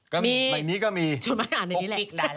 ในนี้ก็มีช่วงใหม่อ่านในนี้แหละ